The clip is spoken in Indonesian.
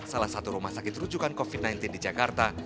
salah satu rumah sakit rujukan covid sembilan belas di jakarta